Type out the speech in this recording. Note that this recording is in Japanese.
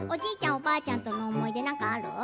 おばあちゃんとの思い出、何かある？